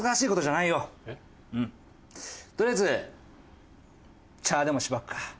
とりあえず茶でもしばくか。